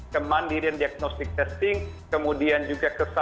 kemandirian diagnostic testing kemudian juga kesadaran untuk kita tetap berhubungan